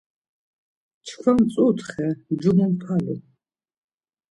Çkva mtzutxe, ncumumpalu.